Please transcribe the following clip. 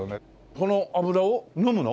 この油を飲むの？